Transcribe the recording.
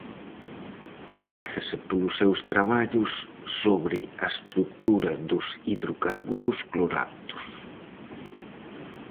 Coñécese polos seus traballos sobre a estrutura dos hidrocarburos cloratos.